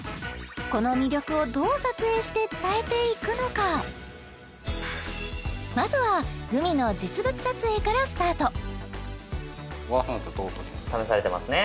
この魅力をどう撮影して伝えていくのかまずはグミの実物撮影からスタート試されてますね